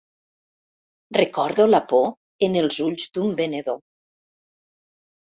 Recordo la por en els ulls d'un venedor.